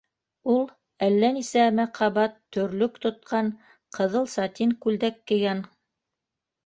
Ул әллә нисәмә ҡабат төрлөк тотҡан ҡыҙыл сатин күлдәк кейгән.